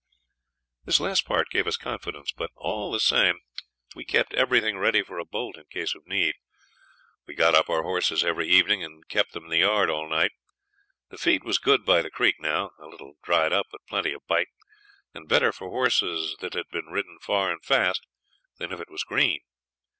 This last part gave us confidence, but all the same we kept everything ready for a bolt in case of need. We got up our horses every evening and kept them in the yard all night. The feed was good by the creek now a little dried up but plenty of bite, and better for horses that had been ridden far and fast than if it was green.